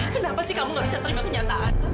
kenapa sih kamu gak bisa terima kenyataan